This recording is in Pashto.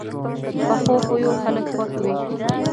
پخو خویو خلک خوښ وي